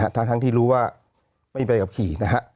ทั้งที่รู้ว่าไม่มีอะไรกับขี่